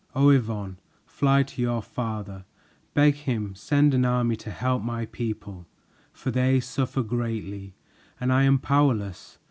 Oh, Yvonne, fly to your father, Beg him send an army to help my people, For they suffer greatly and I am powerless.